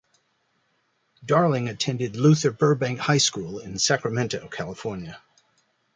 Darling attended Luther Burbank High School in Sacramento, California.